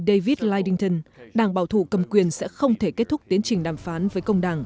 đảng bảo thủ cầm quyền sẽ không thể kết thúc tiến trình đàm phán với công đảng